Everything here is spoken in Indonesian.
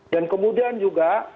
dan kemudian juga